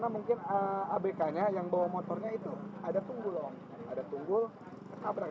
mungkin abk nya yang bawa motornya itu ada tunggu loh ada tunggul tabrak